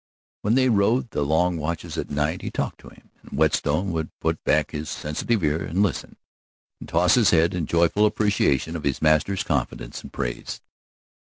When they rode the long watches at night he talked to him, and Whetstone would put back his sensitive ear and listen, and toss his head in joyful appreciation of his master's confidence and praise.